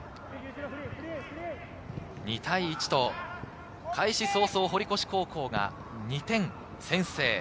２対１と開始早々、堀越高校が２点先制。